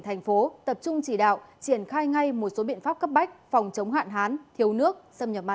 thành phố tập trung chỉ đạo triển khai ngay một số biện pháp cấp bách phòng chống hạn hán thiếu nước xâm nhập mặn